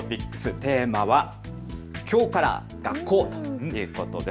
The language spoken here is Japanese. テーマはきょうから学校ということです。